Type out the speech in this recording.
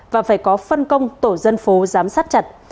và phải có phân công tổ dân phố giám sát chặt